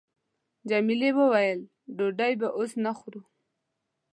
جميلې وويل:، ډوډۍ به اوس نه خورو.